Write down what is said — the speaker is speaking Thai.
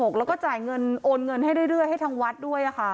๒๖๐๐๐ค่ะ๒๖๐๐๐แล้วก็จ่ายเงินโอนเงินให้ได้ด้วยให้ทางวัดด้วยค่ะ